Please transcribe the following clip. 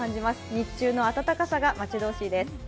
日中の暖かさが待ち遠しいです。